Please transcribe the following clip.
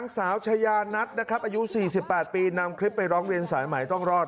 ชายานัทนะครับอายุ๔๘ปีนำคลิปไปร้องเรียนสายใหม่ต้องรอด